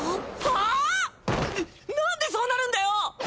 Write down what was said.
ははあ⁉ななんでそうなるんだよ！